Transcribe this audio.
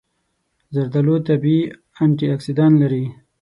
زردآلو طبیعي انټياکسیدان لري.